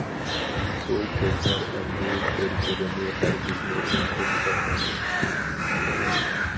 بۇ كۆزلەر ئەمدى بىر-بىرنى ھەرگىزمۇ ئۇنتۇپ قالمايدۇ.